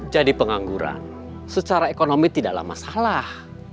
jadi pengangguran secara ekonomi tidaklah masalah